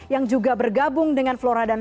yang juga bergabung dengan flora dan